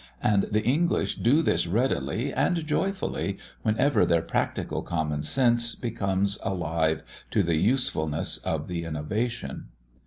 And the English do this readily and joyfully, whenever their practical common sense becomes alive to the usefulness of an innovation.